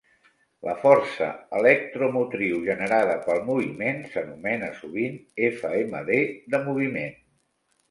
La força electromotriu generada pel moviment s'anomena sovint "FMD de moviment".